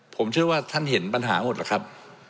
ผมเชื่อว่าท่านเห็นปัญหาหมดล่ะครับ